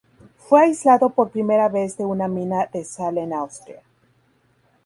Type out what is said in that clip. Fue aislado por primera vez de una mina de sal en Austria.